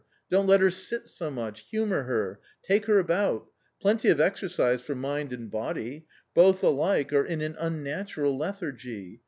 Don't let her sit so much. Humour her ; take her about; plenty of exercise for mind and body: both alike are in an unnatural lethargy.